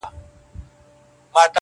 که هر څو نجوني ږغېږي چي لونګ یم.